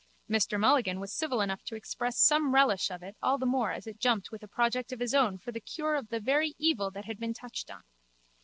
Mr Mulligan was civil enough to express some relish of it all the more as it jumped with a project of his own for the cure of the very evil that had been touched on.